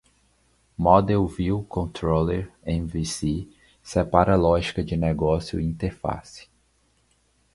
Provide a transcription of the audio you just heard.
Model-View-Controller (MVC) separa lógica de negócio e interface.